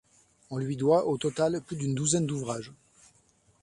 On lui doit, au total, plus d'une douzaine d'ouvrages.